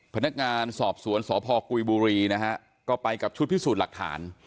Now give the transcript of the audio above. พนักงานสอบสวนสพกุยบุรีนะฮะก็ไปกับชุดพิสูจน์หลักฐาน